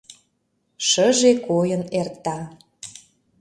Шыже койын эрта.